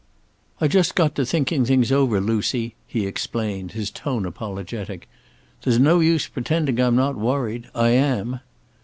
"I just got to thinking things over, Lucy," he explained, his tone apologetic. "There's no use pretending I'm not worried. I am."